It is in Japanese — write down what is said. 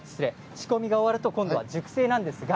仕込みが終わると今度は熟成です。